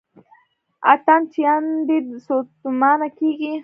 اتڼ چیان ډېر ستومانه کیږي.